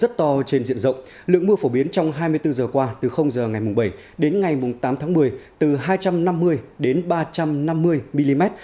rất to trên diện rộng lượng mưa phổ biến trong hai mươi bốn giờ qua từ h ngày bảy đến ngày tám tháng một mươi từ hai trăm năm mươi đến ba trăm năm mươi mm